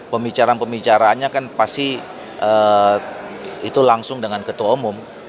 pembicaraan pembicaraannya kan pasti itu langsung dengan ketua umum